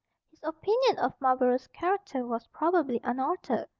His opinion of Marlborough's character was probably unaltered.